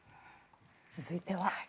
続いては。